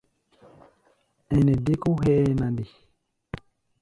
Ɛnɛ dé kó hʼɛ́ɛ́ na nde?